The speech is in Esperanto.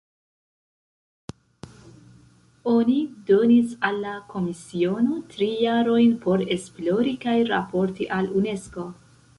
Oni donis al la komisiono tri jarojn por esplori kaj raporti al Unesko.